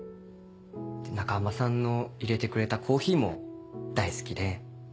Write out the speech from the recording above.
中浜さんの入れてくれたコーヒーも大好きで。